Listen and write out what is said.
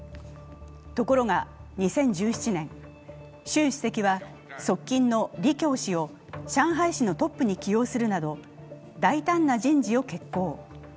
ところが２０１７年、習主席は側近の李強氏を上海市のトップに起用するなど大胆な人事を決行。